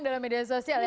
dalam media sosial